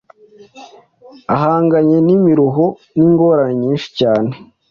ahanganye n’imiruho n’ingorane nyinshi cyane